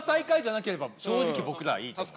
正直僕らはいいと思う。